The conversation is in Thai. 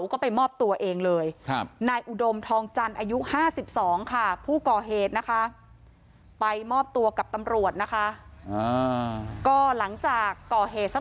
ก็ตกใจครับ